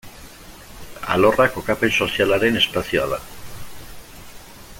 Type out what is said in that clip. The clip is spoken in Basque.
Alorra kokapen sozialaren espazioa da.